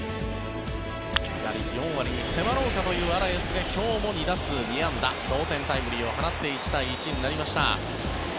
打率４割に迫ろうかというアラエスが同点タイムリーを放って１対１になりました。